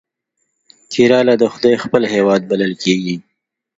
کیرالا د خدای خپل هیواد بلل کیږي.